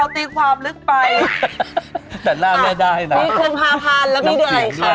พี่คุณพาพันแล้วปีเดือนอันไกลคะ